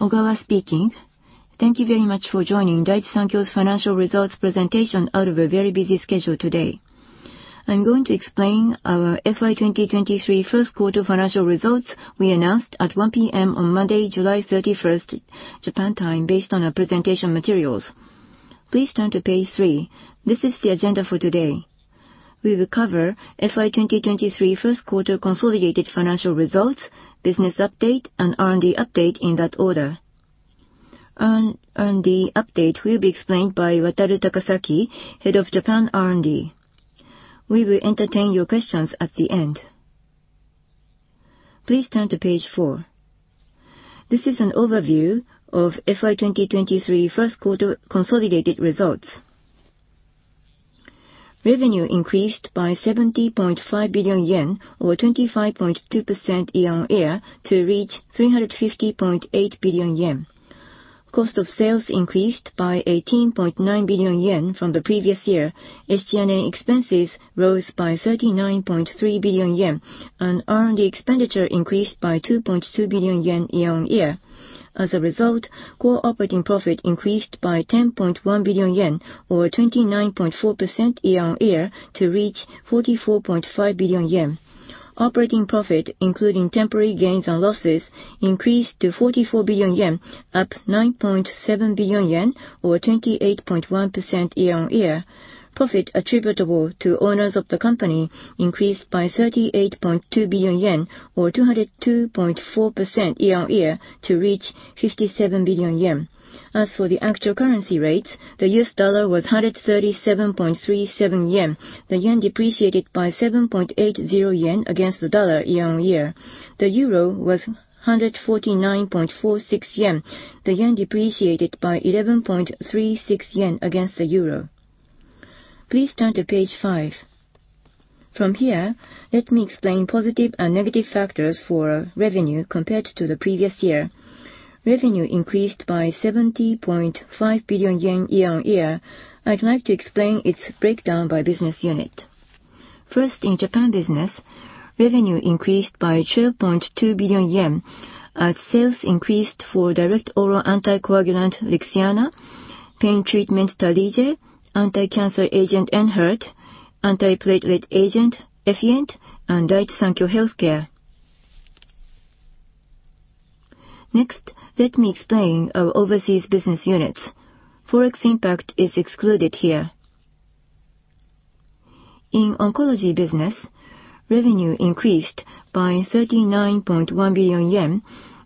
Ogawa speaking. Thank you very much for joining Daiichi Sankyo's Financial Results Presentation out of a very busy schedule today. I'm going to explain our FY2023 First Quarter Financial Results we announced at 1:00 P.M. on Monday, July 31st, Japan time, based on our presentation materials. Please turn to page 3. This is the agenda for today. We will cover FY 2023 first quarter consolidated financial results, business update, and R&D update in that order. R&D update will be explained by Wataru Takasaki, Head of Japan R&D. We will entertain your questions at the end. Please turn to page 4. This is an overview of FY 2023 first quarter consolidated results. Revenue increased by 70.5 billion yen, or 25.2% year-on-year, to reach 350.8 billion yen. Cost of sales increased by 18.9 billion yen from the previous year. SG&A expenses rose by 39.3 billion yen, and R&D expenditure increased by 2.2 billion yen year-on-year. As a result, core operating profit increased by 10.1 billion yen, or 29.4% year-on-year, to reach 44.5 billion yen. Operating profit, including temporary gains and losses, increased to 44 billion yen, up 9.7 billion yen, or 28.1% year-on-year. Profit attributable to owners of the company increased by 38.2 billion yen, or 202.4% year-on-year, to reach 57 billion yen. As for the actual currency rates, the U.S. dollar was 137.37 yen. The yen depreciated by 7.80 yen against the dollar year-on-year. The euro was 149.46 yen. The yen depreciated by 11.36 yen against the euro. Please turn to page 5. From here, let me explain positive and negative factors for revenue compared to the previous year. Revenue increased by 70.5 billion yen year-on-year. I'd like to explain its breakdown by business unit. First, in Japan business, revenue increased by 2.2 billion yen as sales increased for direct oral anticoagulant Lixiana, pain treatment Tarlige, anticancer agent Enhertu, antiplatelet agent Effient, and Daiichi Sankyo Healthcare. Next, let me explain our overseas business units. Forex impact is excluded here. In oncology business, revenue increased by 39.1 billion yen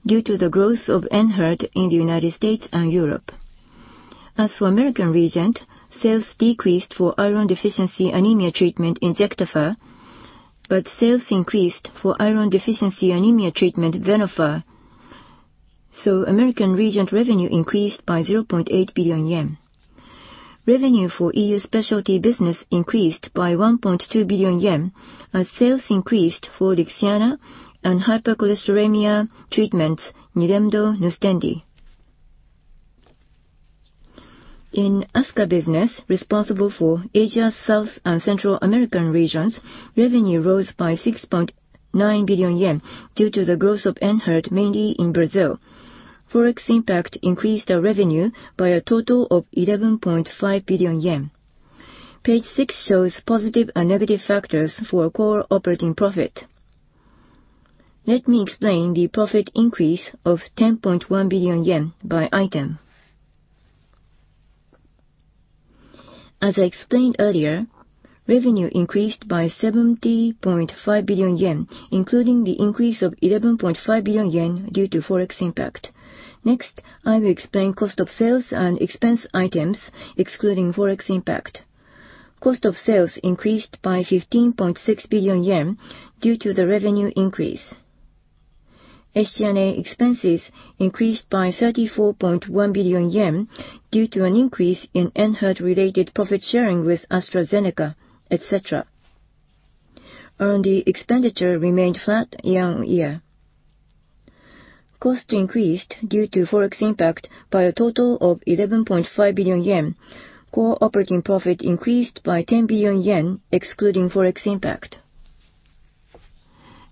due to the growth of Enhertu in the United States and Europe. As for American region, sales decreased for iron deficiency anemia treatment Injectafer, but sales increased for iron deficiency anemia treatment Venofer. American region revenue increased by 0.8 billion yen. Revenue for EU specialty business increased by 1.2 billion yen as sales increased for Lixiana and hypercholesterolemia treatments, Nilemdo, Nustendi. In ASCA business, responsible for Asia, South, and Central American regions, revenue rose by 6.9 billion yen due to the growth of Enhertu, mainly in Brazil. Forex impact increased our revenue by a total of 11.5 billion yen. Page 6 shows positive and negative factors for core operating profit. Let me explain the profit increase of 10.1 billion yen by item. As I explained earlier, revenue increased by 70.5 billion yen, including the increase of 11.5 billion yen due to Forex impact. Next, I will explain cost of sales and expense items excluding Forex impact. Cost of sales increased by 15.6 billion yen due to the revenue increase. SG&A expenses increased by 34.1 billion yen due to an increase in Enhertu-related profit sharing with AstraZeneca, et cetera. R&D expenditure remained flat year-on-year. Cost increased due to Forex impact by a total of 11.5 billion yen. Core operating profit increased by 10 billion yen excluding Forex impact.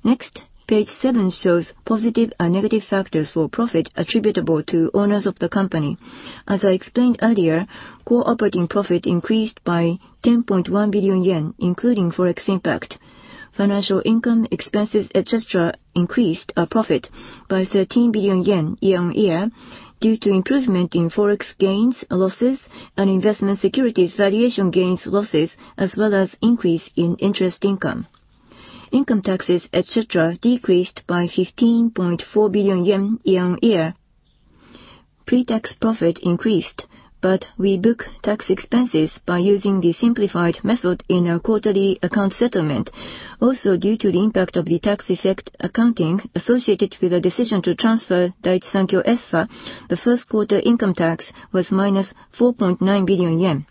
Next, page seven shows positive and negative factors for profit attributable to owners of the company. As I explained earlier, core operating profit increased by 10.1 billion yen, including Forex impact. Financial income, expenses, et cetera, increased our profit by 13 billion yen year-on-year due to improvement in Forex gains, losses, and investment securities valuation gains, losses, as well as increase in interest income. Income taxes, et cetera, decreased by 15.4 billion yen year-on-year. Pre-tax profit increased, but we book tax expenses by using the simplified method in our quarterly account settlement. Also, due to the impact of the tax effect accounting associated with a decision to transfer Daiichi Sankyo Espha, the first quarter income tax was -4.9 billion yen.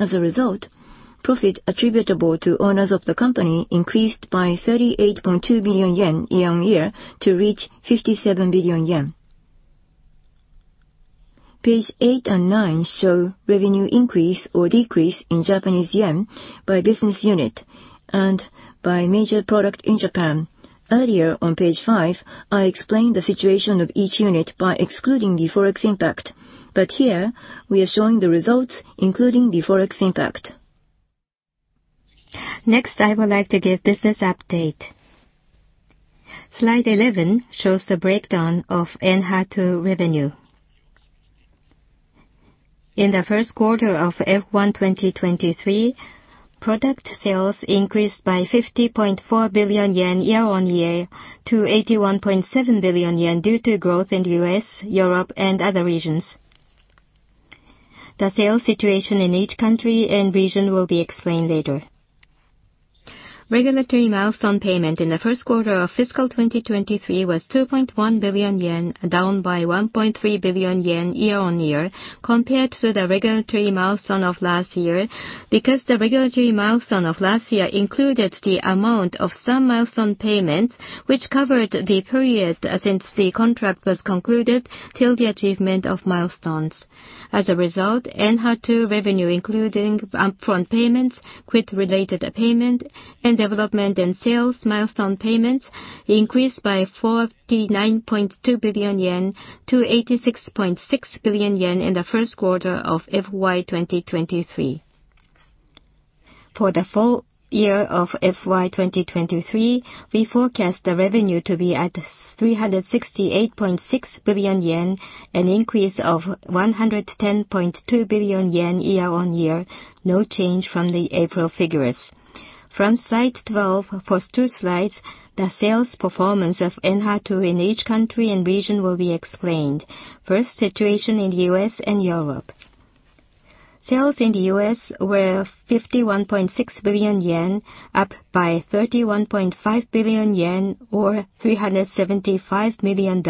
As a result, profit attributable to owners of the company increased by 38.2 billion yen year-on-year to reach 57 billion yen. Page eight and nine show revenue increase or decrease in Japanese yen by business unit and by major product in Japan. Earlier on page five, I explained the situation of each unit by excluding the Forex impact, but here we are showing the results, including the Forex impact. Next, I would like to give business update. Slide 11 shows the breakdown of Enhertu revenue. In the first quarter of F1 2023, product sales increased by 50.4 billion yen year-on-year to 81.7 billion yen, due to growth in the US, Europe and other regions. The sales situation in each country and region will be explained later. Regulatory milestone payment in the first quarter of fiscal 2023 was 2.1 billion yen, down by 1.3 billion yen year-on-year compared to the regulatory milestone of last year, because the regulatory milestone of last year included the amount of some milestone payments, which covered the period since the contract was concluded till the achievement of milestones. As a result, Enhertu revenue, including upfront payments, quit related payment, and development and sales milestone payments, increased by 49.2 billion-86.6 billion yen in the first quarter of FY 2023. For the full year of FY 2023, we forecast the revenue to be at 368.6 billion yen, an increase of 110.2 billion yen year-on-year. No change from the April figures. From slide 12 for two slides, the sales performance of Enhertu in each country and region will be explained. First, situation in the U.S. and Europe. Sales in the U.S. were 51.6 billion yen, up by 31.5 billion yen, or $375 million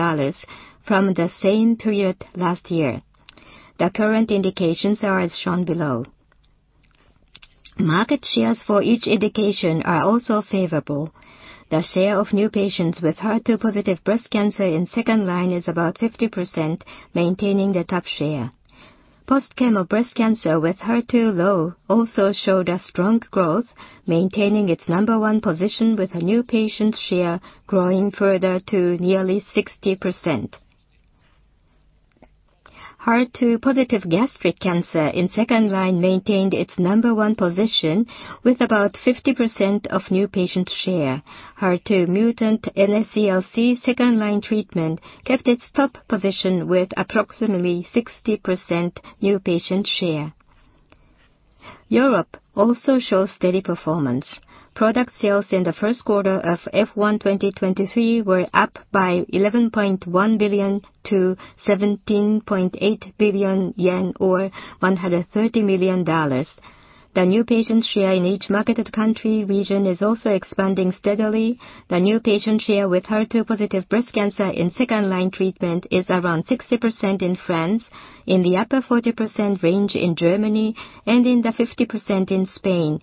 from the same period last year. The current indications are as shown below. Market shares for each indication are also favorable. The share of new patients with HER2-positive breast cancer in second-line is about 50%, maintaining the top share. Post-chemo breast cancer with HER2-low also showed a strong growth, maintaining its number 1 position with a new patient share growing further to nearly 60%. HER2-positive gastric cancer in second-line maintained its number 1 position with about 50% of new patient share. HER2 mutant NSCLC second line treatment kept its top position with approximately 60% new patient share. Europe also shows steady performance. Product sales in the first quarter of F1 2023 were up by 11.1 billion-17.8 billion yen, or $130 million. The new patient share in each marketed country region is also expanding steadily. The new patient share with HER2-positive breast cancer in second-line treatment is around 60% in France, in the upper 40% range in Germany, and in the 50% in Spain,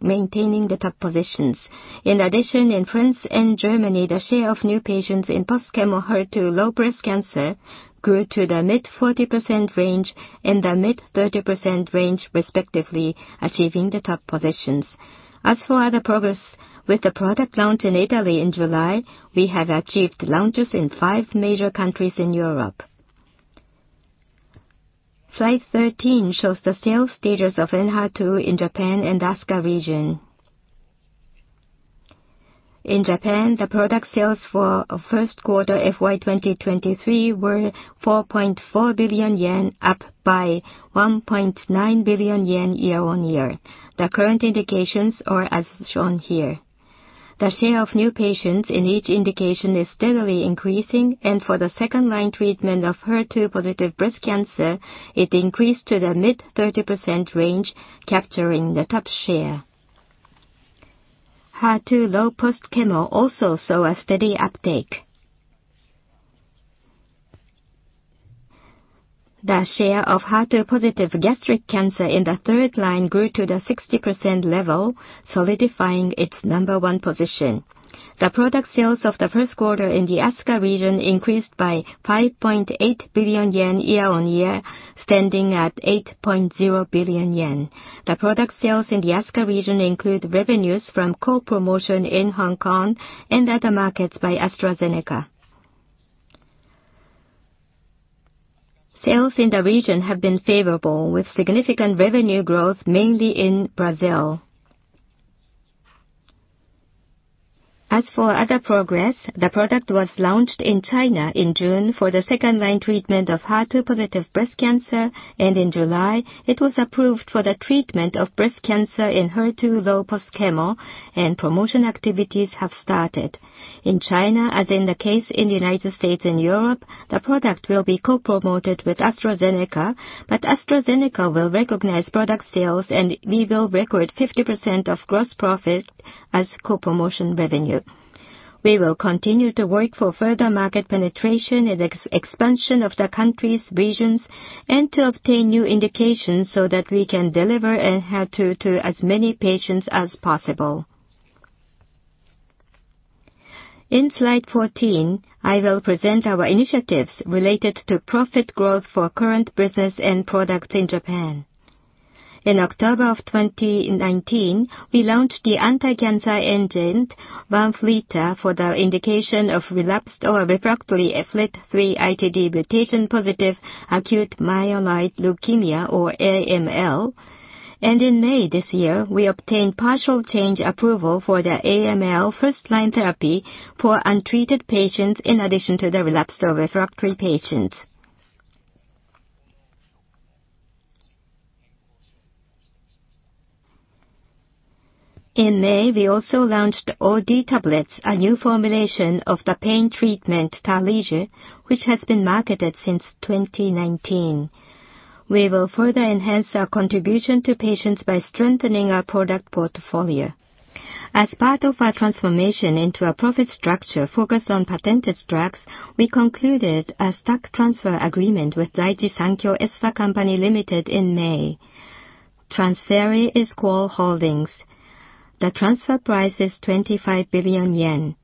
maintaining the top positions. In France and Germany, the share of new patients in post-chemo HER2-low breast cancer grew to the mid-40% range and the mid-30% range respectively, achieving the top positions. As for other progress, with the product launch in Italy in July, we have achieved launches in 5 major countries in Europe. Slide 13 shows the sales stages of Enhertu in Japan and ASCA region. In Japan, the product sales for first quarter FY 2023 were 4.4 billion yen, up by 1.9 billion yen year-on-year. The current indications are as shown here. The share of new patients in each indication is steadily increasing, and for the second line treatment of HER2-positive breast cancer, it increased to the mid-30% range, capturing the top share. HER2-low post-chemo also saw a steady uptake. The share of HER2-positive gastric cancer in the third line grew to the 60% level, solidifying its number one position. The product sales of the first quarter in the ASCA region increased by 5.8 billion yen year-on-year, standing at 8.0 billion yen. The product sales in the ASCA region include revenues from co-promotion in Hong Kong and other markets by AstraZeneca. Sales in the region have been favorable, with significant revenue growth, mainly in Brazil. As for other progress, the product was launched in China in June for the second line treatment of HER2-positive breast cancer, and in July, it was approved for the treatment of breast cancer in HER2-low post-chemo, and promotion activities have started. In China, as in the case in the United States and Europe, the product will be co-promoted with AstraZeneca, but AstraZeneca will recognize product sales, and we will record 50% of gross profit as co-promotion revenue. We will continue to work for further market penetration and expansion of the country's regions and to obtain new indications so that we can deliver Enhertu to as many patients as possible. In slide 14, I will present our initiatives related to profit growth for current business and products in Japan. In October of 2019, we launched the anti-cancer agent VANFLYTA for the indication of relapsed or refractory FLT3-ITD positive acute myeloid leukemia, or AML. In May this year, we obtained partial change approval for the AML first-line therapy for untreated patients, in addition to the relapsed or refractory patients. In May, we also launched OD tablets, a new formulation of the pain treatment, Tarlige, which has been marketed since 2019. We will further enhance our contribution to patients by strengthening our product portfolio. As part of our transformation into a profit structure focused on patented drugs, we concluded a stock transfer agreement with Daiichi Sankyo Espha Company., Limited in May. Transferee is Qol Holdings. The transfer price is 25 billion yen.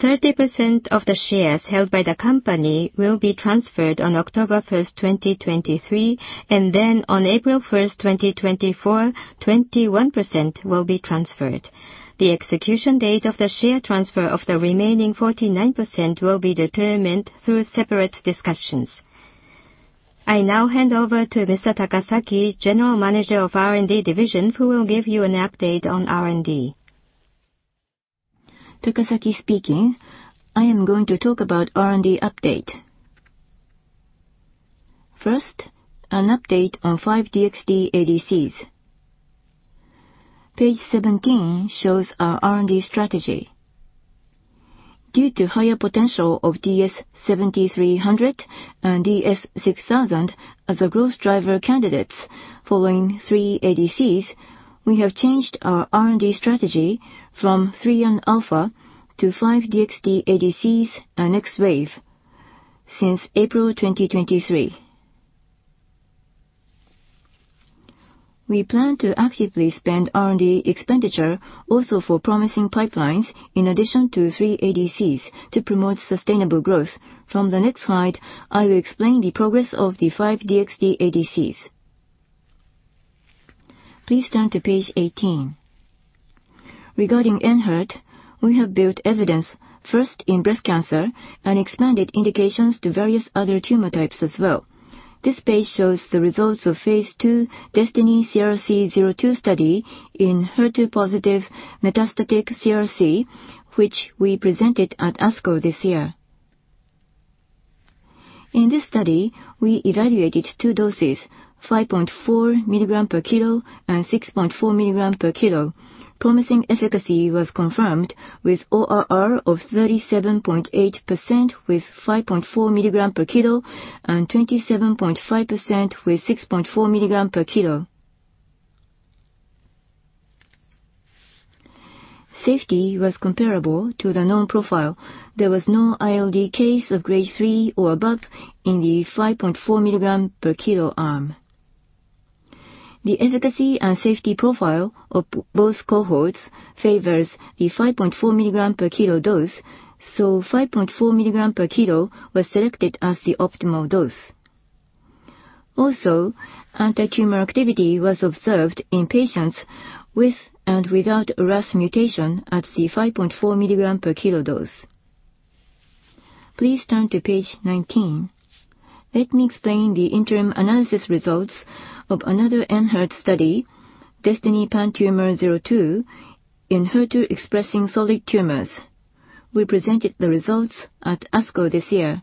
30% of the shares held by the company will be transferred on 10/01/2023. Then on 04/01/2024, 21% will be transferred. The execution date of the share transfer of the remaining 49% will be determined through separate discussions. I now hand over to Mr. Takasaki, General Manager of R&D Division, who will give you an update on R&D. Takasaki speaking. I am going to talk about R&D update. First, an update on 5 DXd-ADCs. Page 17 shows our R&D strategy. Due to higher potential of DS-7300 and DS-6000 as the growth driver candidates following 3 ADCs, we have changed our R&D strategy from 3 and Alpha to 5 DXd-ADCs and X-wave since April 2023. We plan to actively spend R&D expenditure also for promising pipelines, in addition to 3 ADCs, to promote sustainable growth. From the next slide, I will explain the progress of the 5 DXd-ADCs. Please turn to page 18. Regarding Enhertu, we have built evidence first in breast cancer and expanded indications to various other tumor types as well. This page shows the results of phase II DESTINY-CRC02 study in HER2-positive metastatic CRC, which we presented at ASCO this year. In this study, we evaluated two doses, 5.4 mg/kg and 6.4 mg/kg. Promising efficacy was confirmed with ORR of 37.8%, with 5.4 mg/kg and 27.5% with 6.4 mg/kg. Safety was comparable to the known profile. There was no ILD case of Grade 3 or above in the 5.4 mg/kg arm. The efficacy and safety profile of both cohorts favors the 5.4 mg/kg dose, so 5.4 mg/kg was selected as the optimal dose. Also, antitumor activity was observed in patients with and without RAS mutation at the 5.4 mg/kg dose. Please turn to page 19. Let me explain the interim analysis results of another Enhert study, DESTINY-PanTumor02, in HER2-expressing solid tumors. We presented the results at ASCO this year.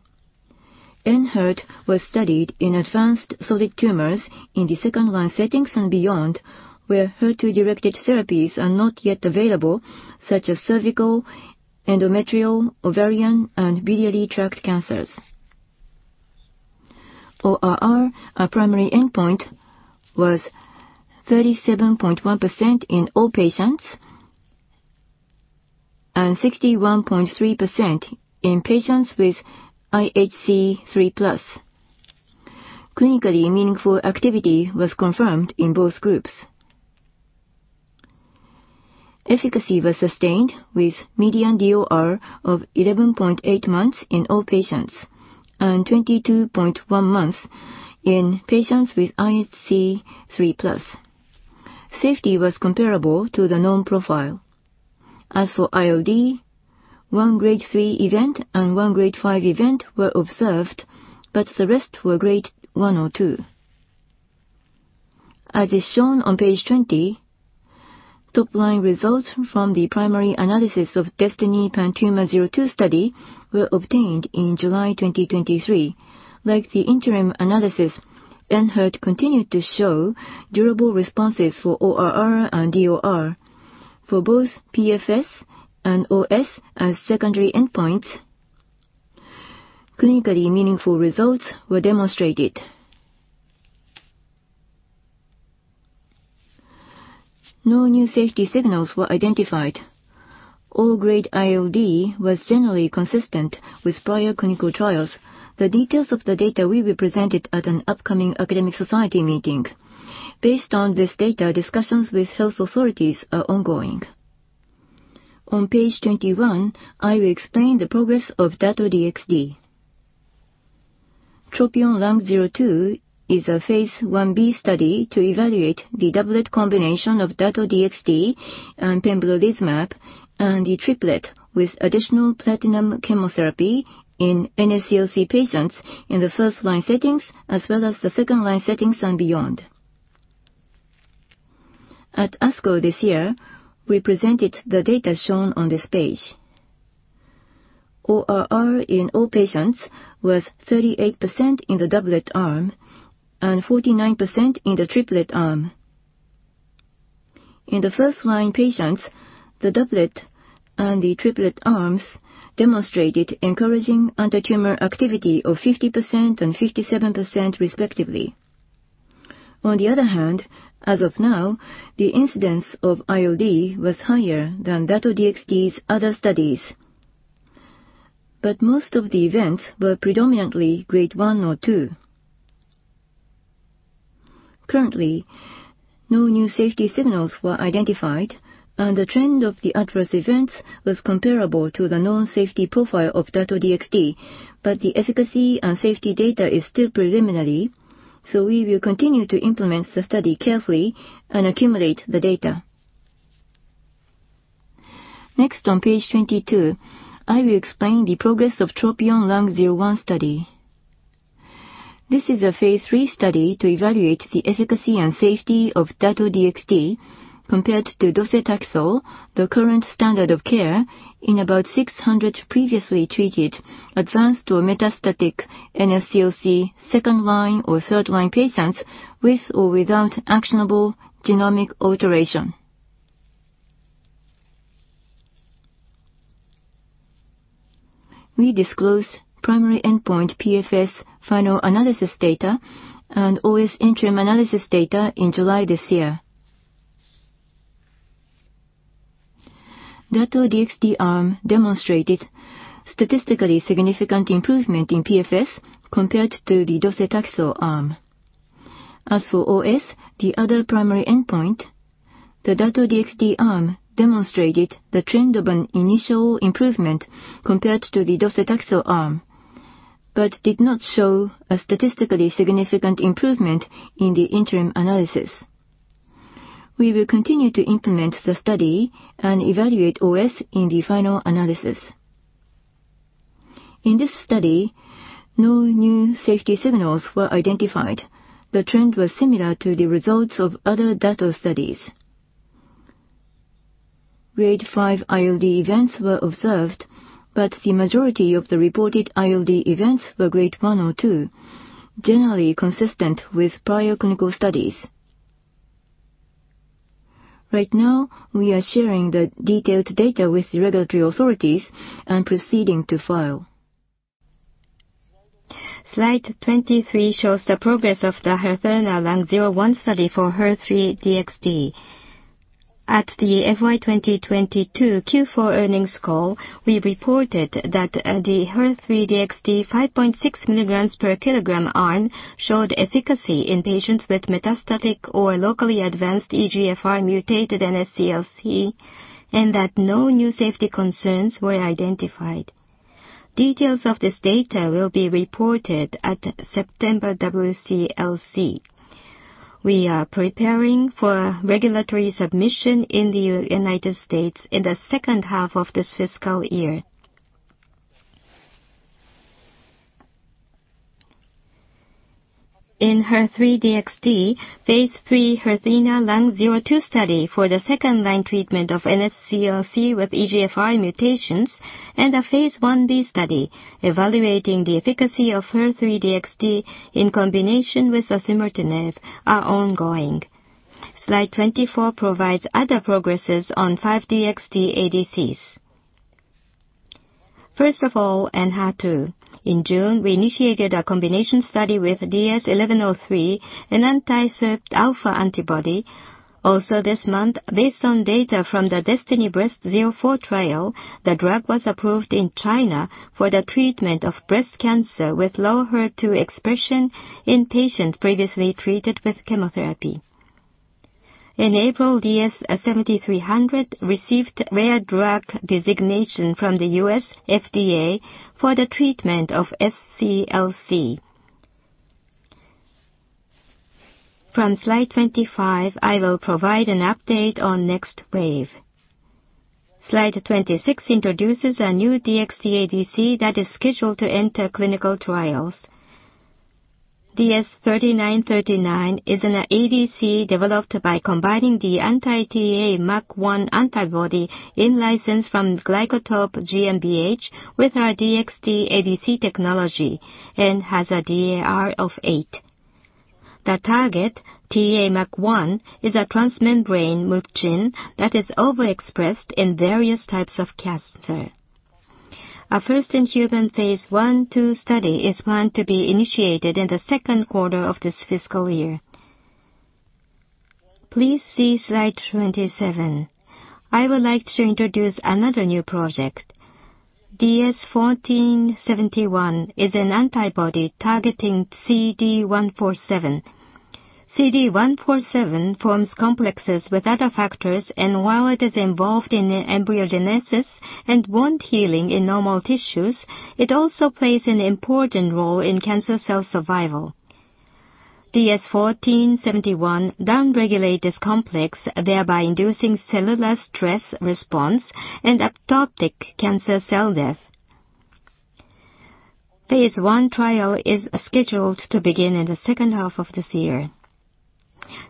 Enhertu was studied in advanced solid tumors in the second-line settings and beyond, where HER2-directed therapies are not yet available, such as cervical, endometrial, ovarian, and biliary tract cancers. ORR, our primary endpoint, was 37.1% in all patients and 61.3% in patients with IHC 3+. Clinically meaningful activity was confirmed in both groups. Efficacy was sustained with median DOR of 11.8 months in all patients and 22.1 months in patients with IHC 3+. Safety was comparable to the known profile. As for ILD, 1 Grade 3 event and 1 Grade 5 event were observed, but the rest were Grade 1 or 2. As is shown on page 20, top-line results from the primary analysis of DESTINY-PanTumor02 study were obtained in July 2023. Like the interim analysis, Enhertu continued to show durable responses for ORR and DOR. For both PFS and OS as secondary endpoints, clinically meaningful results were demonstrated. No new safety signals were identified. All grade ILD was generally consistent with prior clinical trials. The details of the data will be presented at an upcoming academic society meeting. Based on this data, discussions with health authorities are ongoing. On page 21, I will explain the progress of Dato-DXd. TROPION-Lung02 is a phase Ib study to evaluate the doublet combination of Dato-DXd and pembrolizumab, and the triplet with additional platinum chemotherapy in NSCLC patients in the first-line settings as well as the second-line settings and beyond. At ASCO this year, we presented the data shown on this page. ORR in all patients was 38% in the doublet arm and 49% in the triplet arm. In the first-line patients, the doublet and the triplet arms demonstrated encouraging anti-tumor activity of 50% and 57% respectively. On the other hand, as of now, the incidence of ILD was higher than Dato-DXd's other studies. Most of the events were predominantly grade 1 or 2. Currently, no new safety signals were identified, and the trend of the adverse events was comparable to the known safety profile of Dato-DXd. The efficacy and safety data is still preliminary, so we will continue to implement the study carefully and accumulate the data. Next, on page 22, I will explain the progress of TROPION-Lung01 study. This is a phase III study to evaluate the efficacy and safety of Dato-DXd compared to docetaxel, the current standard of care, in about 600 previously treated advanced or metastatic NSCLC second-line or third-line patients, with or without actionable genomic alteration. We disclosed primary endpoint PFS final analysis data and OS interim analysis data in July this year. Dato-DXd arm demonstrated statistically significant improvement in PFS compared to the docetaxel arm. As for OS, the other primary endpoint, the Dato-DXd arm demonstrated the trend of an initial improvement compared to the docetaxel arm, but did not show a statistically significant improvement in the interim analysis. We will continue to implement the study and evaluate OS in the final analysis. In this study, no new safety signals were identified. The trend was similar to the results of other Dato studies. Grade five ILD events were observed, but the majority of the reported ILD events were grade one or two, generally consistent with prior clinical studies. Right now, we are sharing the detailed data with the regulatory authorities and proceeding to file. Slide 23 shows the progress of the HERTHENA-Lung01 study for HER3-DXd. At the FY 2022 Q4 earnings call, we reported that the HER3-DXd 5.6 m/kg arm showed efficacy in patients with metastatic or locally advanced EGFR-mutated NSCLC, and that no new safety concerns were identified. Details of this data will be reported at September WCLC. We are preparing for regulatory submission in the United States in the second half of this fiscal year. In HER3-DXd, phase III HERTHENA-Lung02 study for the second-line treatment of NSCLC with EGFR mutations and a phase Ib study evaluating the efficacy of HER3-DXd in combination with osimertinib are ongoing. Slide 24 provides other progresses on 5 DXd-ADCs. First of all, Enhertu. In June, we initiated a combination study with DS-1103, an anti-SIRPα antibody. This month, based on data from the DESTINY-Breast04 trial, the drug was approved in China for the treatment of breast cancer with low HER2-expression in patients previously treated with chemotherapy. In April, DS-7300 received rare drug designation from the U.S. FDA for the treatment of SCLC. From slide 25, I will provide an update on next wave. Slide 26 introduces a new DXd-ADC that is scheduled to enter clinical trials. DS-3939 is an ADC developed by combining the anti-TA-MUC1 antibody in-license from Glycotope GmbH with our DXd-ADC technology and has a DAR of 8. The target, TA-MUC1, is a transmembrane mucin that is overexpressed in various types of cancer. Our first-in-human phase I/II study is planned to be initiated in the second quarter of this fiscal year. Please see slide 27. I would like to introduce another new project. DS-1471 is an antibody targeting CD147. CD147 forms complexes with other factors, and while it is involved in embryogenesis and wound healing in normal tissues, it also plays an important role in cancer cell survival. DS-1471 downregulates this complex, thereby inducing cellular stress response and apoptotic cancer cell death. phase I trial is scheduled to begin in the second half of this year.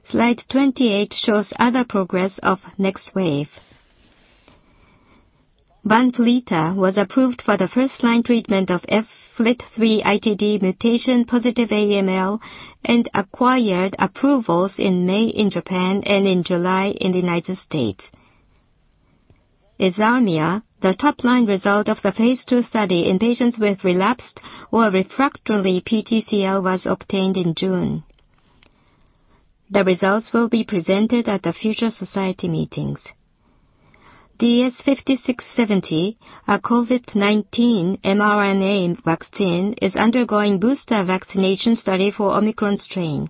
Slide 28 shows other progress of next wave. VANFLYTA was approved for the first-line treatment of FLT3-ITD mutation positive AML, and acquired approvals in May in Japan and in July in the United States. EZHARMIA, the top line result of the phase II study in patients with relapsed or refractory PTCL, was obtained in June. The results will be presented at the future society meetings. DS-5670, a COVID-19 mRNA vaccine, is undergoing booster vaccination study for Omicron strain.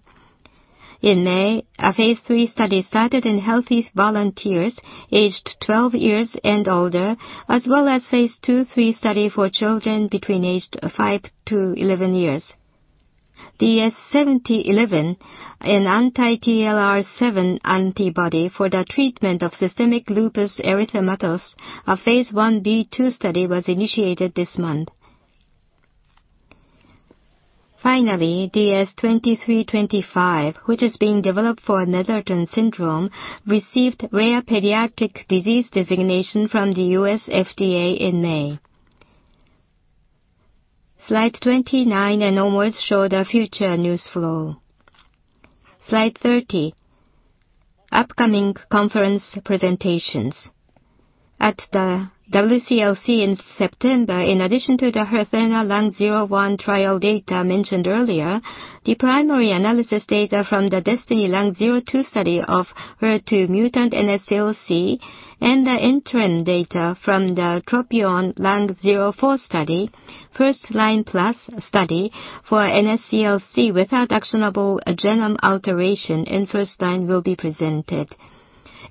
In May, a phase III study started in healthy volunteers aged 12 years and older, as well as phase II, III study for children between aged 5 to 11 years. DS-7011, an anti-TLR7 antibody for the treatment of systemic lupus erythematosus, a phase I B2 study, was initiated this month. Finally, DS-2325, which is being developed for Netherton syndrome, received Rare Pediatric Disease Designation from the U.S. FDA in May. Slide 29 and onwards show the future news flow. Slide 30, upcoming conference presentations. At the WCLC in September, in addition to the HERTHENA-Lung01 trial data mentioned earlier, the primary analysis data from the DESTINY-Lung02 study of HER2-mutated NSCLC, and the interim data from the TROPION-Lung04 study, first-line plus study for NSCLC without actionable genome alteration in first line will be presented.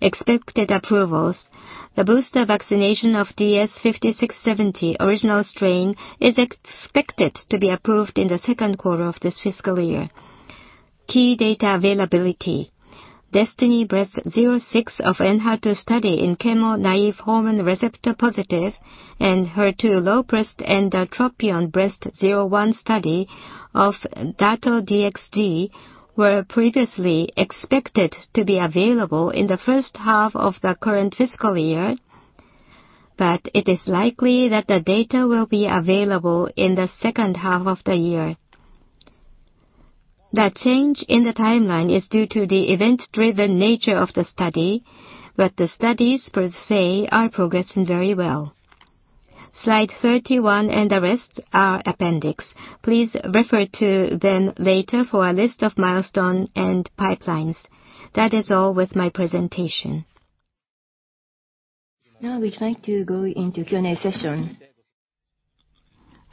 Expected approvals: The booster vaccination of DS-5670 original strain is expected to be approved in the second quarter of this fiscal year. Key data availability: DESTINY-Breast06 of Enhertu study in chemo, naive hormone receptor positive and HER2-low breast, and the TROPION-Breast01 study of Dato-DXd, were previously expected to be available in the 1st half of the current fiscal year, but it is likely that the data will be available in the second half of the year. The change in the timeline is due to the event-driven nature of the study, but the studies per se are progressing very well. Slide 31 and the rest are appendix. Please refer to them later for a list of milestones and pipelines. That is all with my presentation. Now we'd like to go into Q&A session.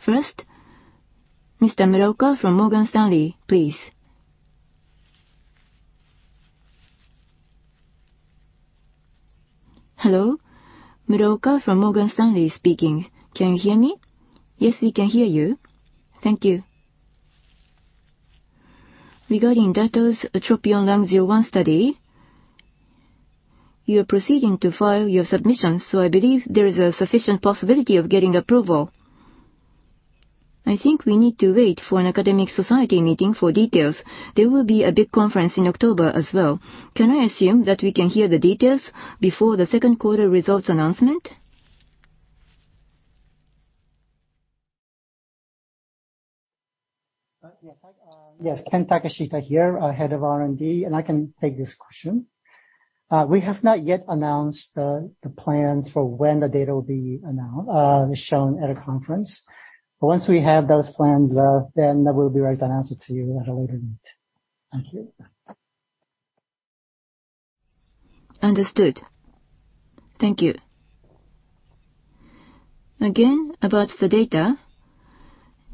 First, Mr. Muraoka from Morgan Stanley, please. Hello, Muraoka from Morgan Stanley speaking. Can you hear me? Yes, we can hear you. Thank you. Regarding Dato's TROPION-Lung01 study, you are proceeding to file your submissions, so I believe there is a sufficient possibility of getting approval. I think we need to wait for an academic society meeting for details. There will be a big conference in October as well. Can I assume that we can hear the details before the second quarter results announcement? Yes, I. Yes, Ken Takeshita here, Head of R&D. I can take this question. We have not yet announced the plans for when the data will be announced, shown at a conference. Once we have those plans, we'll be right to answer to you at a later date. Thank you. Understood. Thank you. Again, about the data,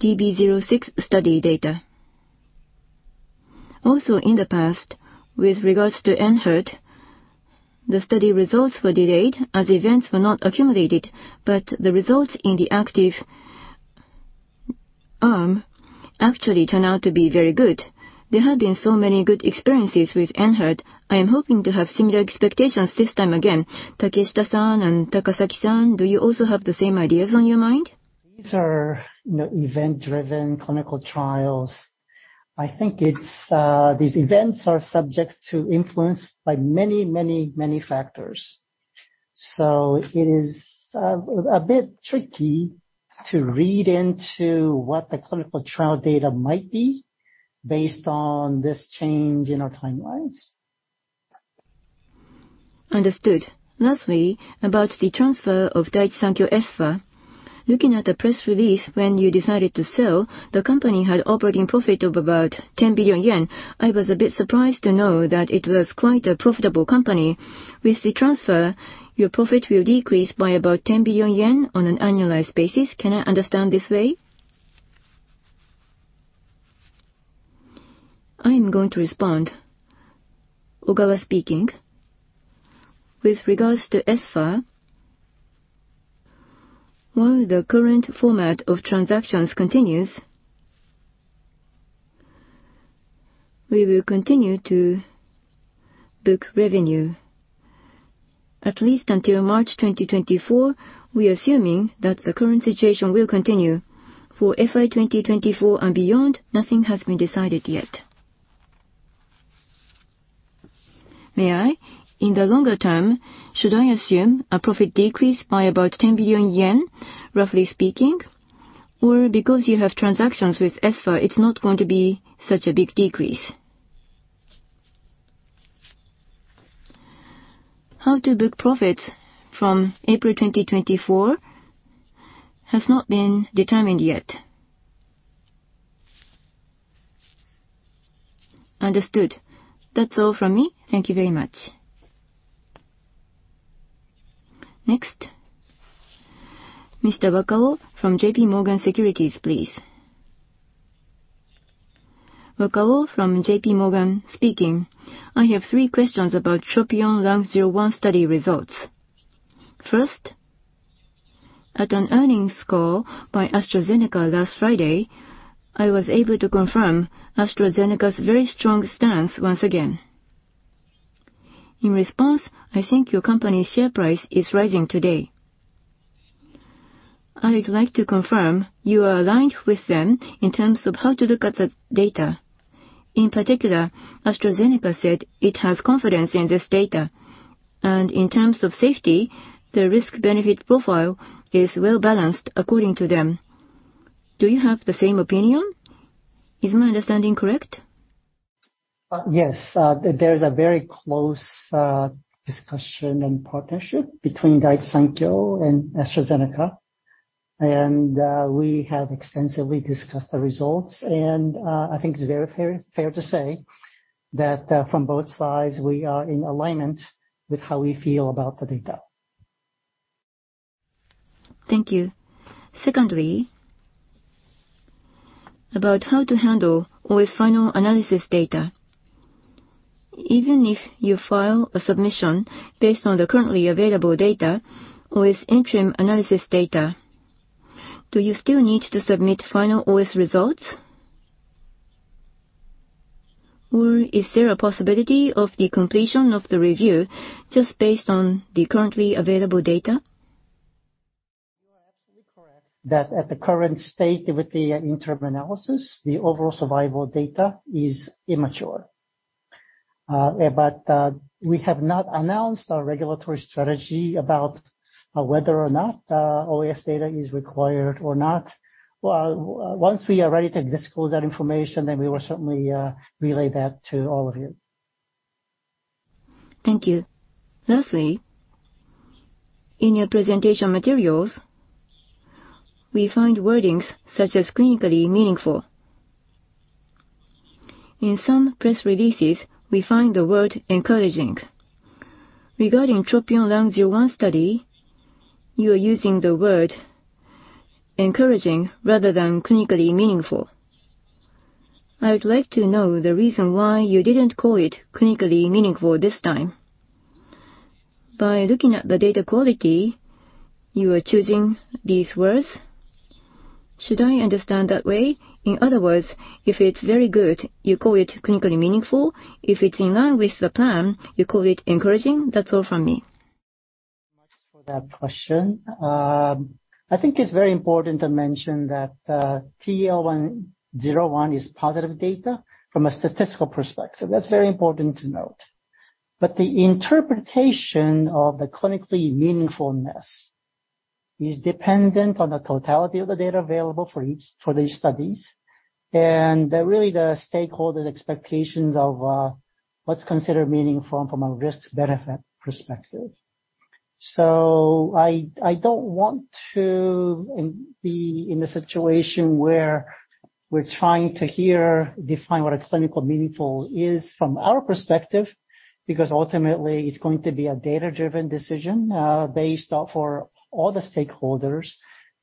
DB-06 study data. Also, in the past, with regards to Enhertu, the study results were delayed as events were not accumulated, but the results in the active arm actually turned out to be very good. There have been so many good experiences with Enhertu. I am hoping to have similar expectations this time again. Takeshita-san and Takasaki-san, do you also have the same ideas on your mind? These are, you know, event-driven clinical trials. I think it's, these events are subject to influence by many, many, many factors. It is, a bit tricky to read into what the clinical trial data might be based on this change in our timelines. Understood. Lastly, about the transfer of Daiichi Sankyo Espha. Looking at the press release, when you decided to sell, the company had operating profit of about 10 billion yen. I was a bit surprised to know that it was quite a profitable company. With the transfer, your profit will decrease by about 10 billion yen on an annualized basis. Can I understand this way? I'm going to respond. Ogawa speaking. With regards to SFA, while the current format of transactions continues, we will continue to book revenue. At least until March 2024, we are assuming that the current situation will continue. For FY 2024 and beyond, nothing has been decided yet. May I, in the longer term, should I assume a profit decrease by about 10 billion yen, roughly speaking? Or because you have transactions with SFA, it's not going to be such a big decrease? How to book profits from April 2024 has not been determined yet. Understood. That's all from me. Thank you very much. Next, Mr. Wakao from J.P. Morgan Securities, please. Wakao from J.P. Morgan speaking. I have three questions about TROPION-Lung01 study results. First, at an earnings call by AstraZeneca last Friday, I was able to confirm AstraZeneca's very strong stance once again. In response, I think your company's share price is rising today. I'd like to confirm you are aligned with them in terms of how to look at the data. In particular, AstraZeneca said it has confidence in this data, and in terms of safety, the risk-benefit profile is well-balanced according to them. Do you have the same opinion? Is my understanding correct? Yes, there is a very close discussion and partnership between Daiichi Sankyo and AstraZeneca, and we have extensively discussed the results. I think it's very fair, fair to say that, from both sides, we are in alignment with how we feel about the data. Thank you. Secondly, about how to handle OS final analysis data. Even if you file a submission based on the currently available data, OS interim analysis data, do you still need to submit final OS results? Is there a possibility of the completion of the review just based on the currently available data? You are absolutely correct, that at the current state, with the interim analysis, the overall survival data is immature. We have not announced our regulatory strategy about whether or not OS data is required or not. Well, once we are ready to disclose that information, then we will certainly relay that to all of you. Thank you. Lastly, in your presentation materials, we find wordings such as clinically meaningful. In some press releases, we find the word encouraging. Regarding TROPION-Lung01 study, you are using the word encouraging rather than clinically meaningful. I would like to know the reason why you didn't call it clinically meaningful this time. By looking at the data quality, you are choosing these words? Should I understand that way? In other words, if it's very good, you call it clinically meaningful. If it's in line with the plan, you call it encouraging. That's all from me. Thanks for that question. I think it's very important to mention that PL101 is positive data from a statistical perspective. That's very important to note. The interpretation of the clinically meaningfulness is dependent on the totality of the data available for each, for these studies, and really, the stakeholders' expectations of what's considered meaningful from a risk-benefit perspective. I, I don't want to be in a situation where we're trying to here define what a clinical meaningful is from our perspective, because ultimately it's going to be a data-driven decision, based off for all the stakeholders,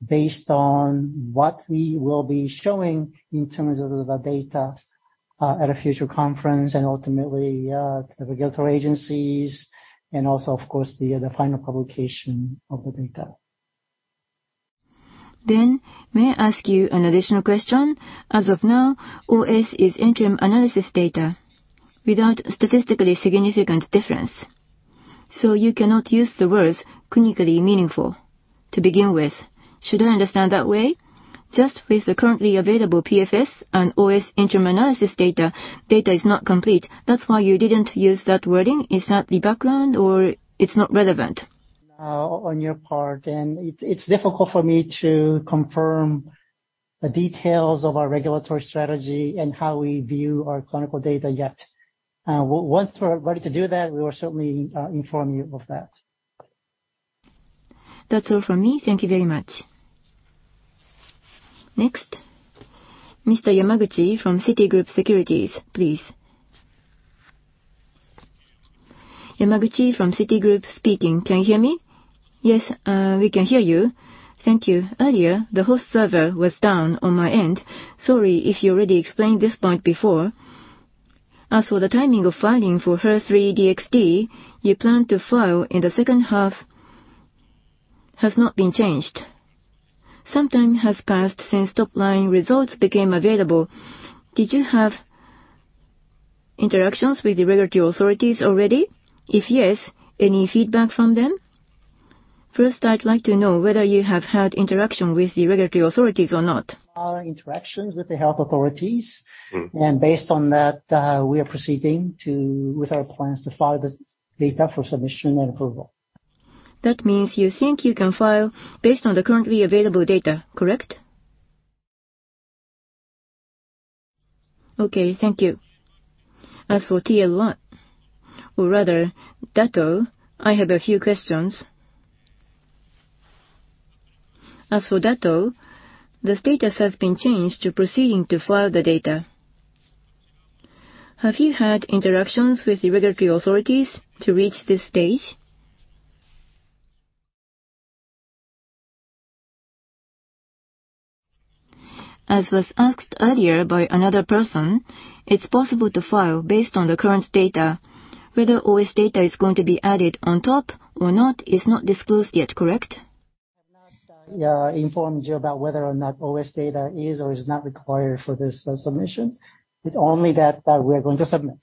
based on what we will be showing in terms of the data, at a future conference and ultimately, to the regulatory agencies and also, of course, the, the final publication of the data. May I ask you an additional question? As of now, OS is interim analysis data without statistically significant difference, so you cannot use the words clinically meaningful to begin with. Should I understand that way? Just with the currently available PFS and OS interim analysis data, data is not complete. That's why you didn't use that wording. Is that the background or it's not relevant? On your part, it's difficult for me to confirm the details of our regulatory strategy and how we view our clinical data yet. Once we're ready to do that, we will certainly inform you of that. That's all from me. Thank you very much. Next, Mr. Yamaguchi from Citigroup Securities, please. Yamaguchi from Citigroup speaking. Can you hear me? Yes, we can hear you. Thank you. Earlier, the host server was down on my end. Sorry if you already explained this point before. As for the timing of filing for HER3-DXd, you plan to file in the second half, has not been changed. Some time has passed since top line results became available. Did you have interactions with the regulatory authorities already? If yes, any feedback from them? First, I'd like to know whether you have had interaction with the regulatory authorities or not. Our interactions with the health authorities. Mm-hmm. Based on that, we are proceeding to, with our plans to file the data for submission and approval. That means you think you can file based on the currently available data, correct? Okay, thank you. As for TL01, or rather Dato, I have a few questions. As for Dato, the status has been changed to proceeding to file the data. Have you had interactions with the regulatory authorities to reach this stage? As was asked earlier by another person, it's possible to file based on the current data. Whether OS data is going to be added on top or not is not disclosed yet, correct? I have not informed you about whether or not OS data is or is not required for this submission. It's only that, that we are going to submit.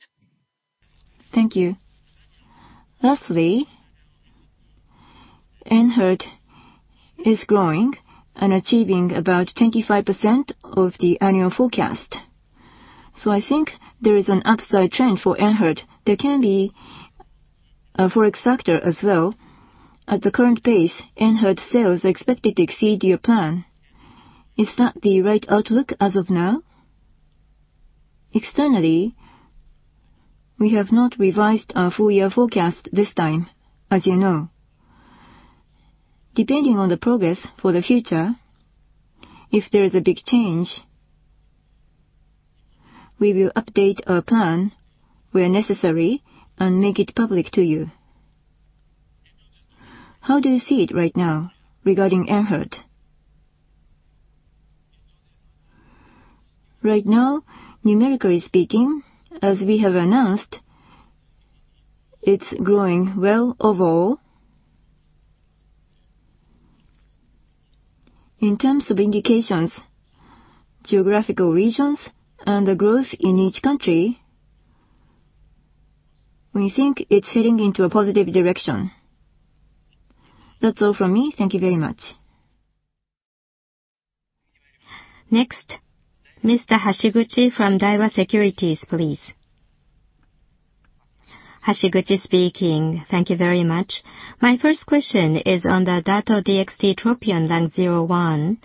Thank you. Lastly, Enhertu is growing and achieving about 25% of the annual forecast. I think there is an upside trend for Enhertu. There can be a Forex factor as well. At the current pace, Enhertu sales are expected to exceed your plan. Is that the right outlook as of now? Externally, we have not revised our full year forecast this time, as you know. Depending on the progress for the future, if there is a big change, we will update our plan where necessary and make it public to you. How do you see it right now regarding Enhertu? Right now, numerically speaking, as we have announced, it's growing well overall. In terms of indications, geographical regions, and the growth in each country, we think it's heading into a positive direction. That's all from me. Thank you very much. Next, Mr. Hashiguchi from Daiwa Securities, please. Thank you very much. My first question is on the Dato-DXd TROPION-Lung01.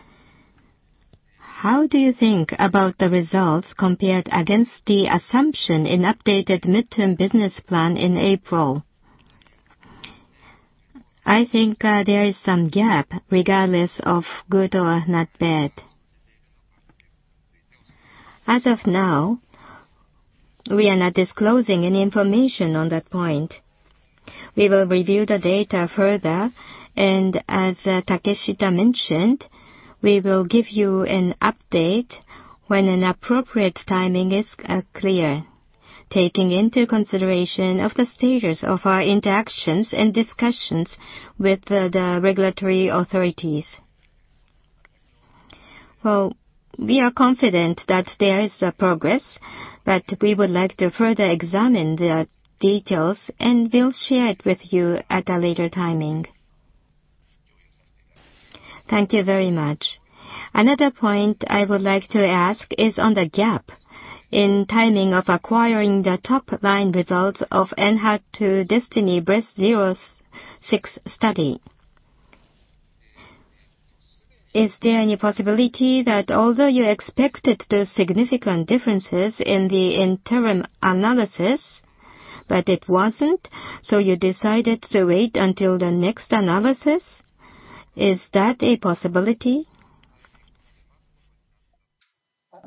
How do you think about the results compared against the assumption in updated midterm business plan in April? I think, there is some gap regardless of good or not bad. As of now, we are not disclosing any information on that point. We will review the data further, and as Takeshita mentioned, we will give you an update when an appropriate timing is clear, taking into consideration of the status of our interactions and discussions with the regulatory authorities. Well, we are confident that there is a progress, but we would like to further examine the details, and we'll share it with you at a later timing. Thank you very much. Another point I would like to ask is on the gap in timing of acquiring the top-line results of Enhertu DESTINY-Breast06 study. Is there any possibility that although you expected those significant differences in the interim analysis, but it wasn't, so you decided to wait until the next analysis? Is that a possibility?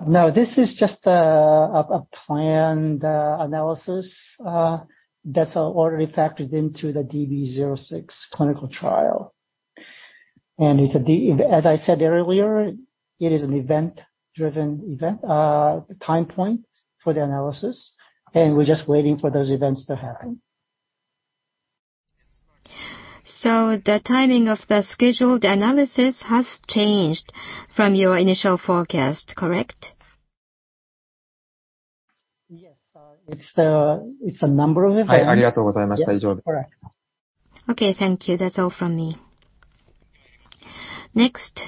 No, this is just a planned analysis that's already factored into the DB-06 clinical trial. It's as I said earlier, it is an event-driven event, time point for the analysis, and we're just waiting for those events to happen. The timing of the scheduled analysis has changed from your initial forecast, correct? Yes, it's a number of events. Yes, correct. Okay, thank you. That's all from me. Next,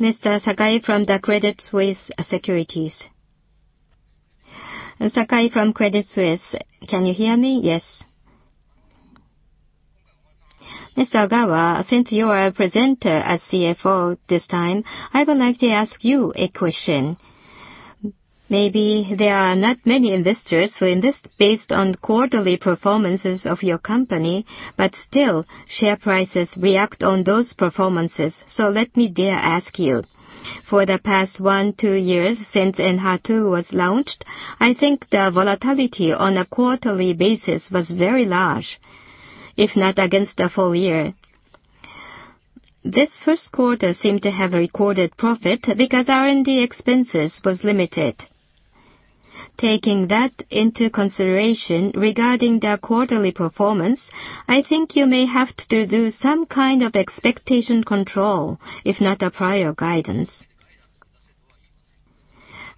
Mr. Sakai from the Credit Suisse Securities. Sakai from Credit Suisse. Can you hear me? Yes. Mr. Ogawa, since you are a presenter as CFO this time, I would like to ask you a question. Maybe there are not many investors who invest based on quarterly performances of your company, but still, share prices react on those performances. Let me dare ask you. For the past one, two years since Enhertu was launched, I think the volatility on a quarterly basis was very large, if not against the full year. This first quarter seemed to have recorded profit because R&D expenses was limited. Taking that into consideration, regarding the quarterly performance, I think you may have to do some kind of expectation control, if not a prior guidance.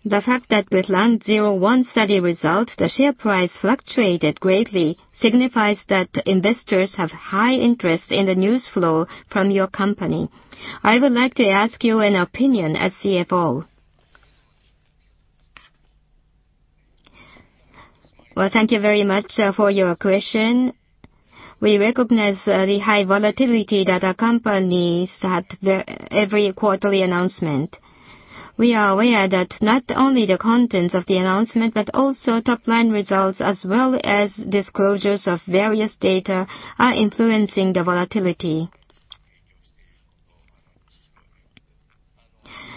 The fact that with lung zero one study results, the share price fluctuated greatly, signifies that investors have high interest in the news flow from your company. I would like to ask you an opinion as CFO. Well, thank you very much for your question. We recognize the high volatility that accompanies at the, every quarterly announcement. We are aware that not only the contents of the announcement, but also top-line results, as well as disclosures of various data, are influencing the volatility.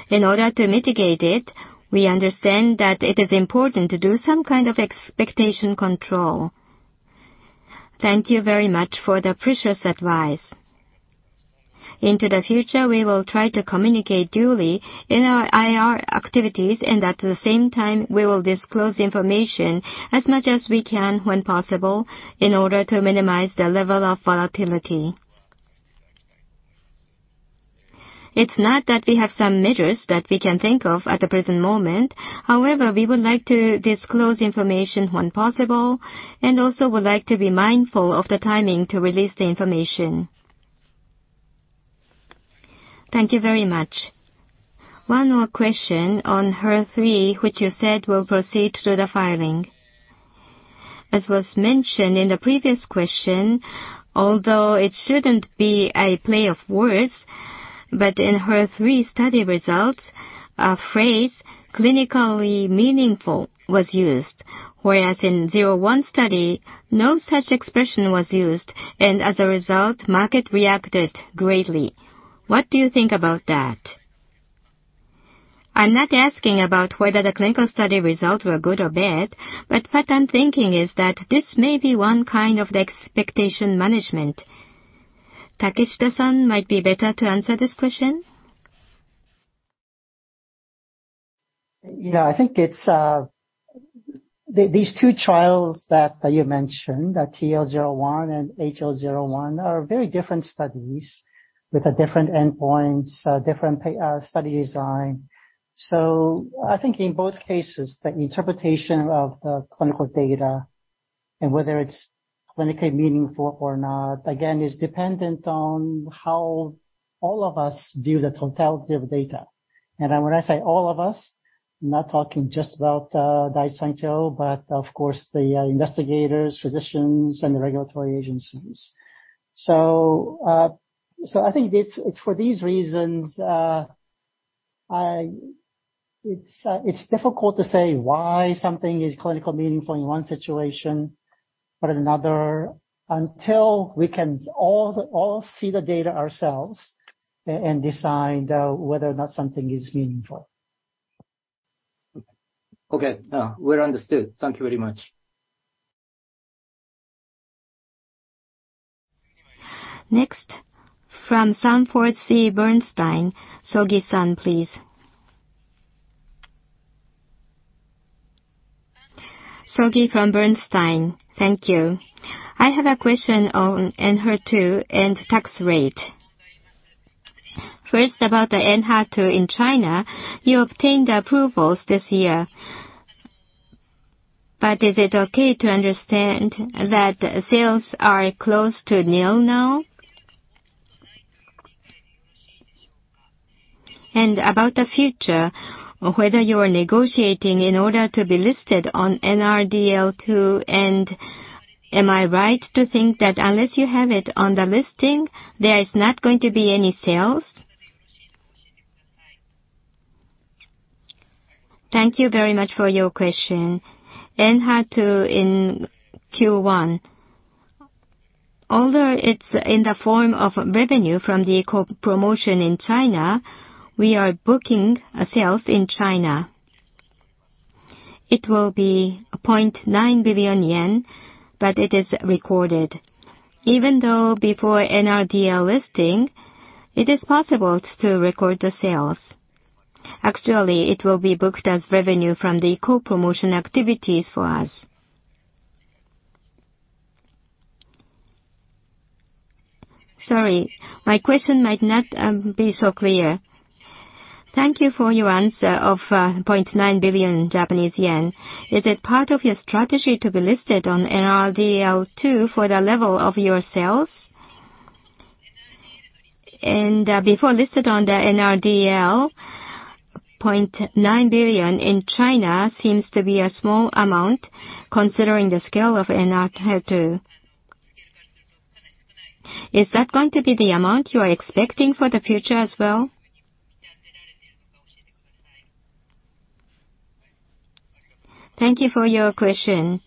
In order to mitigate it, we understand that it is important to do some kind of expectation control. Thank you very much for the precious advice. Into the future, we will try to communicate duly in our IR activities, and at the same time, we will disclose information as much as we can when possible, in order to minimize the level of volatility. It's not that we have some measures that we can think of at the present moment. We would like to disclose information when possible, and also would like to be mindful of the timing to release the information. Thank you very much. One more question on HER3, which you said will proceed through the filing. As was mentioned in the previous question, although it shouldn't be a play of words, but in HER3 study results, a phrase, "clinically meaningful," was used. In zero one study, no such expression was used, and as a result, market reacted greatly. What do you think about that? I'm not asking about whether the clinical study results were good or bad, but what I'm thinking is that this may be one kind of the expectation management. Takeshita-san might be better to answer this question. Yeah, I think it's these two trials that, that you mentioned, the TL01 and HO01, are very different studies with a different endpoint, so different study design. I think in both cases, the interpretation of the clinical data and whether it's clinically meaningful or not, again, is dependent on how all of us view the totality of data. When I say all of us, I'm not talking just about Daiichi Sankyo, but of course, the investigators, physicians, and the regulatory agencies. So I think it's, for these reasons, it's difficult to say why something is clinically meaningful in one situation but another, until we can all, all see the data ourselves and decide whether or not something is meaningful. Okay. Well understood. Thank you very much. Next, from Sanford C. Bernstein, Soggi-san, please. Soggi from Bernstein. Thank you. I have a question on Enhertu and tax rate. First, about the Enhertu in China, you obtained the approvals this year, but is it okay to understand that sales are close to nil now? About the future, whether you are negotiating in order to be listed on NRDL, too, and am I right to think that unless you have it on the listing, there is not going to be any sales? Thank you very much for your question. Enhertu in Q1, although it's in the form of revenue from the co-promotion in China, we are booking sales in China. It will be 0.9 billion yen, but it is recorded. Even though before NRDL listing, it is possible to record the sales. Actually, it will be booked as revenue from the co-promotion activities for us. Sorry, my question might not be so clear. Thank you for your answer of 0.9 billion Japanese yen. Is it part of your strategy to be listed on NRDL, too, for the level of your sales? Before listed on the NRDL, 0.9 billion in China seems to be a small amount, considering the scale of Enhertu. Is that going to be the amount you are expecting for the future as well? Thank you for your question.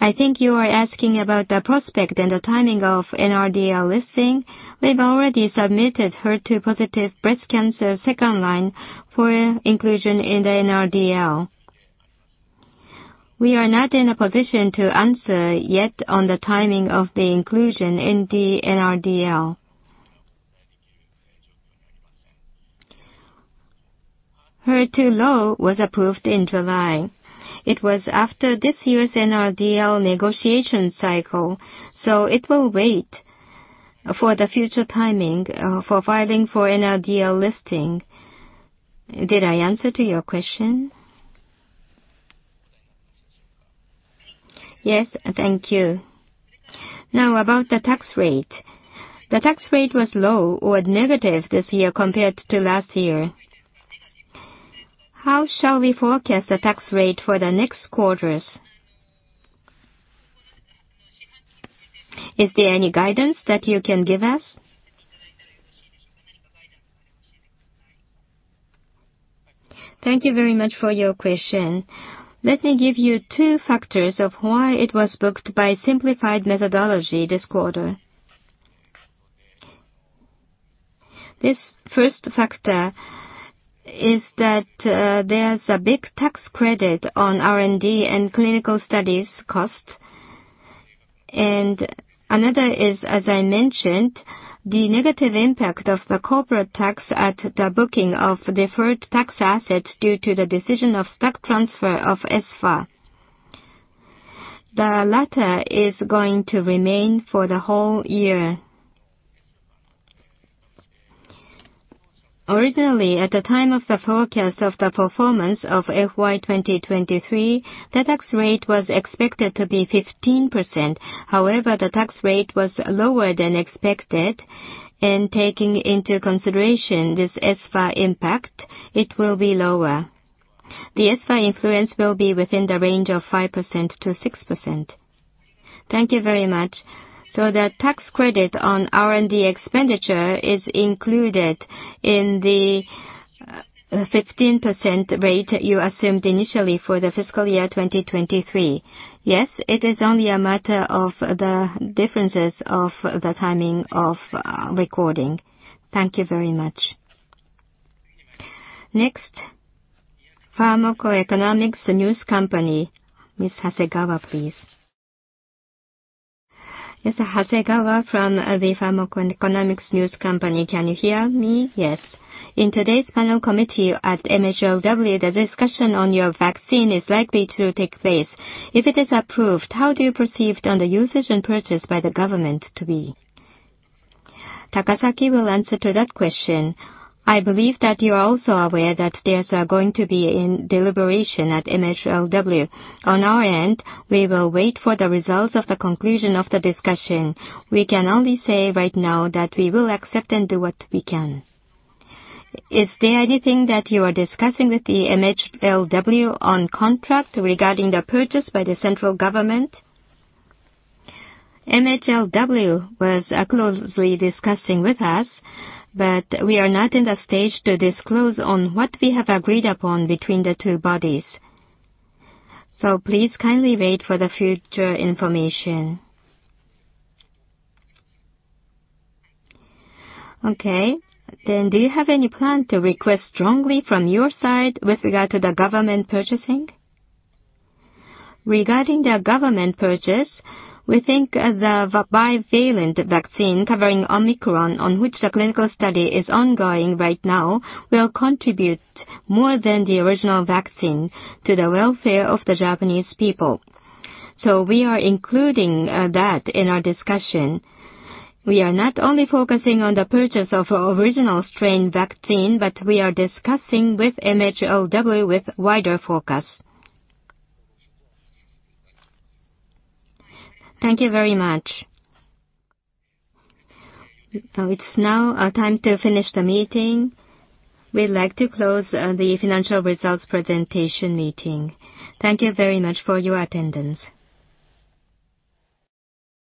I think you are asking about the prospect and the timing of NRDL listing. We've already submitted HER2-positive breast cancer second line for inclusion in the NRDL. We are not in a position to answer yet on the timing of the inclusion in the NRDL. HER2-low was approved in July. It was after this year's NRDL negotiation cycle, so it will wait for the future timing for filing for NRDL listing. Did I answer to your question? Yes, thank you. About the tax rate. The tax rate was low or negative this year compared to last year. How shall we forecast the tax rate for the next quarters? Is there any guidance that you can give us? Thank you very much for your question. Let me give you two factors of why it was booked by simplified methodology this quarter. This first factor is that there's a big tax credit on R&D and clinical studies cost. Another is, as I mentioned, the negative impact of the corporate tax at the booking of deferred tax assets due to the decision of stock transfer of Espha. The latter is going to remain for the whole year. Originally, at the time of the forecast of the performance of FY 2023, the tax rate was expected to be 15%. The tax rate was lower than expected, and taking into consideration this Espha impact, it will be lower. The Espha influence will be within the range of 5%-6%. Thank you very much. The tax credit on R&D expenditure is included in the 15% rate you assumed initially for the fiscal year 2023. Yes, it is only a matter of the differences of the timing of recording. Thank you very much. Next, Pharmacoeconomics News Company, Ms. Hasegawa, please. Yes, Hasegawa from the Pharmacoeconomics News Company. Can you hear me? Yes. In today's panel committee at MHLW, the discussion on your vaccine is likely to take place. If it is approved, how do you perceive the usage and purchase by the government to be? Takasaki will answer to that question. I believe that you are also aware that there's going to be a deliberation at MHLW. On our end, we will wait for the results of the conclusion of the discussion. We can only say right now that we will accept and do what we can. Is there anything that you are discussing with the MHLW on contract regarding the purchase by the central government? MHLW was closely discussing with us, we are not in the stage to disclose on what we have agreed upon between the two bodies. Please kindly wait for the future information. Okay. Do you have any plan to request strongly from your side with regard to the government purchasing? Regarding the government purchase, we think the bivalent vaccine covering Omicron, on which the clinical study is ongoing right now, will contribute more than the original vaccine to the welfare of the Japanese people. We are including that in our discussion. We are not only focusing on the purchase of original strain vaccine, but we are discussing with MHLW with wider focus. Thank you very much. It's now our time to finish the meeting. We'd like to close the financial results presentation meeting. Thank you very much for your attendance.